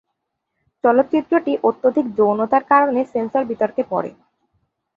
চলচ্চিত্রটি অত্যধিক যৌনতার কারণে সেন্সর বিতর্কে পড়ে।